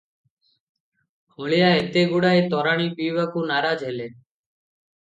ହଳିଆ ଏତେଗୁଡ଼ାଏ ତୋରାଣୀ ପିଇବାକୁ ନାରାଜ ହେଲେ